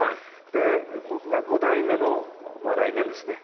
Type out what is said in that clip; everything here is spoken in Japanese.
で僕が５代目の来年ですね